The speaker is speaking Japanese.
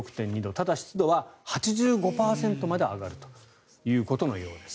ただ湿度は８５％まで上がるということのようです。